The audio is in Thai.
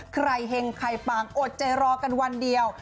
เห็งใครปังอดใจรอกันวันเดียว